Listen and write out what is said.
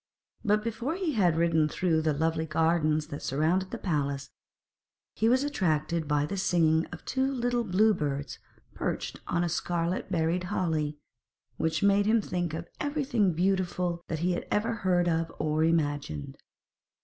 But before he had ridden through the lovely gardens that surrounded the palace, he was attracted by the singing of two little blue birds perched on a scarlet berried holly, which made him think of everything beautiful that he had ever heard of or imagined.